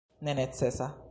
nenecesa